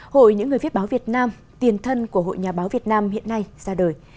hội những người viết báo việt nam tiền thân của hội nhà báo việt nam hiện nay ra đời